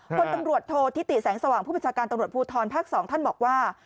คนตำรวจโทษธิติแสงสว่างผู้บัญชาการตำรวจภูทรภาค๒ท่านบอกว่า